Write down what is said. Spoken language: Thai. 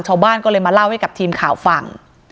ชาวบ้านก็เลยมาเล่าให้กับทีมข่าวฟัง